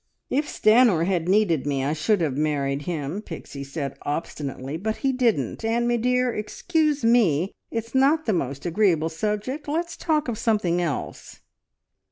"If Stanor had needed me, I should have married him," Pixie said obstinately, "but he didn't, and, me dear, excuse me! It's not the most agreeable subject. ... Let's talk of something else."